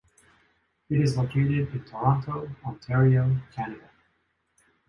It is located in Toronto, Ontario, Canada.